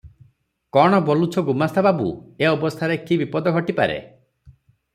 କଣ ବୋଲୁଛ ଗୁମାସ୍ତା ବାବୁ, ଏ ଅବସ୍ଥାରେ କି ବିପଦ ଘଟି ପାରେ?